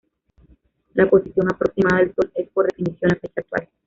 La posición aproximada del Sol es, por definición, la fecha actual.